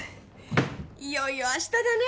いよいよ明日だね